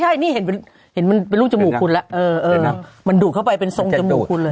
ใช่นี่เห็นมันเป็นลูกจมูกคุณแล้วมันดูดเข้าไปเป็นทรงจมูกคุณเลย